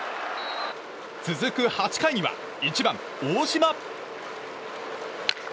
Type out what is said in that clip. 続く８回には１番、大島。